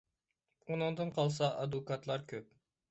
ئۇنىڭدىن قالسا ئادۋوكاتلار كۆپ.